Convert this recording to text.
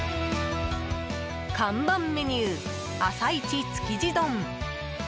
看板メニュー、朝一築地丼。